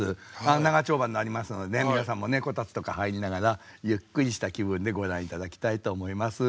長丁場になりますので皆さんもねこたつとか入りながらゆっくりした気分でご覧頂きたいと思います。